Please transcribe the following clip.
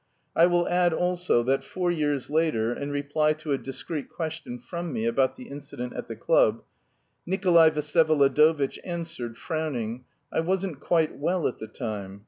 I will add also that, four years later, in reply to a discreet question from me about the incident at the club, Nikolay Vsyevolodovitch answered, frowning: "I wasn't quite well at the time."